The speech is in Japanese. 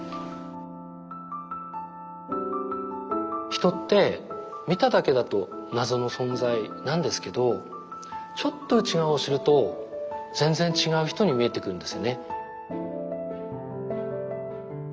人って見ただけだと謎の存在なんですけどちょっと内側を知ると全然違う人に見えてくるんですよね。